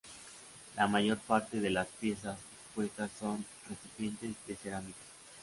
La mayor parte de las piezas expuestas son recipientes de cerámica.